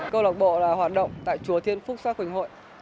câu lạc bộ là hoạt động tại chùa thiên phúc sát quỳnh hội